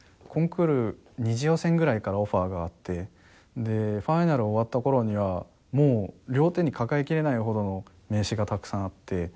コンクール２次予選ぐらいからオファーがあってでファイナル終わった頃にはもう両手に抱えきれないほどの名刺がたくさんあって。